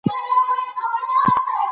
متن یې هنري ،روان او ساده دی